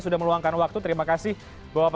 sudah meluangkan waktu terima kasih bapak